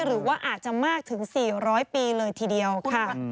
หรือว่าอาจจะมากถึง๔๐๐ปีเลยทีเดียวค่ะ